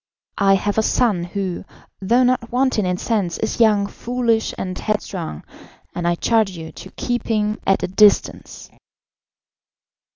I have a son, who, though not wanting in sense, is young, foolish, and headstrong, and I charge you to keep him at a distance."